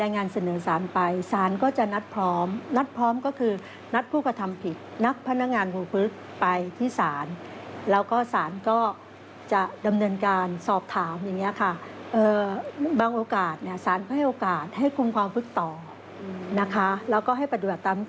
นะคะสารก็จะนัดผู้กระทำผิด